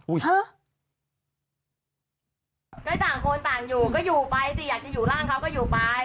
ก็ต่างคนต่างอยู่ก็อยู่ไปสิอยากจะอยู่ร่างเขาก็อยู่ไป